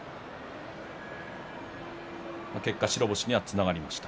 結果、白星にはつながりました。